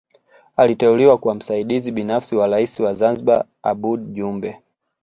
Aliteuliwa kuwa msaidizi binafsi wa Rais wa Zanzibari Aboud Jumbe